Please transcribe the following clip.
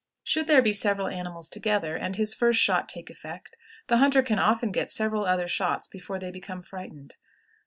Should there be several animals together, and his first shot take effect, the hunter can often get several other shots before they become frightened.